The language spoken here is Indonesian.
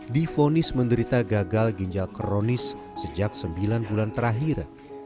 difonis menderita gagal ginjal kronis sejak sembilan bulan terakhir